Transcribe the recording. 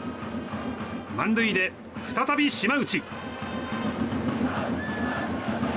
満塁で再び島内。